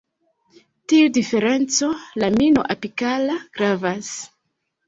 Tiu diferenco lamino-apikala gravas.